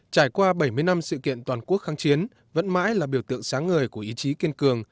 trải qua bảy mươi năm sự kiện toàn quốc kháng chiến vẫn mãi là biểu tượng sáng ngời của ý chí kiên cường